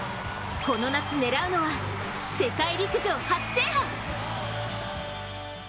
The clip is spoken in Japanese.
この夏狙うのは、世界陸上初制覇！